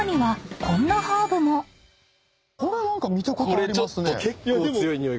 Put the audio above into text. これ何か見たことありますね。